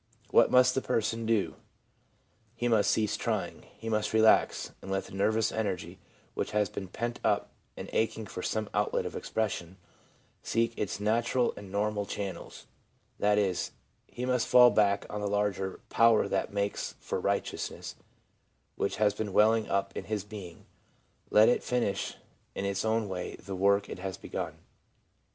What must the person do ? He must cease trying ; he must relax, and let the nervous energy, which has been pent up and aching for some outlet of expression, seek its natural and normal channels — that is, he must fall back on the larger i Power that makes for righteousness/ which has been welling up in his being, and let it finish in its own way the work it has begun.